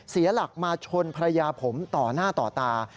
เสียหลักมาชนภรรยาผมต่อหน้าต่อตา